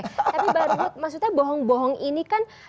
tapi mbak ruth maksudnya bohong bohong ini kan